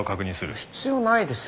必要ないですよ。